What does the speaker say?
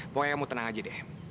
pokoknya mau tenang aja deh